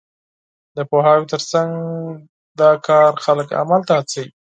د پوهاوي تر څنګ، دا کار خلک عمل ته هڅوي.